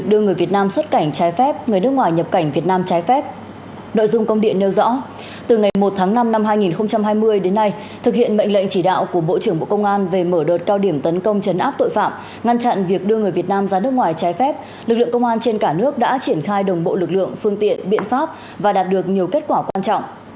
từ ngày một tháng năm năm hai nghìn hai mươi đến nay thực hiện mệnh lệnh chỉ đạo của bộ trưởng bộ công an về mở đợt cao điểm tấn công chấn áp tội phạm ngăn chặn việc đưa người việt nam ra nước ngoài trái phép lực lượng công an trên cả nước đã triển khai đồng bộ lực lượng phương tiện biện pháp và đạt được nhiều kết quả quan trọng